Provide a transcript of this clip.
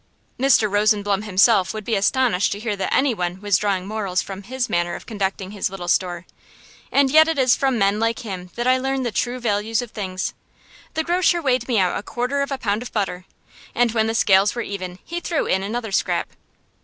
Mr. Rosenblum himself would be astonished to hear that any one was drawing morals from his manner of conducting his little store, and yet it is from men like him that I learn the true values of things. The grocer weighed me out a quarter of a pound of butter, and when the scales were even he threw in another scrap.